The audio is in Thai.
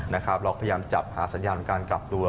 เราพยายามจับหาสัญญาณการกลับตัว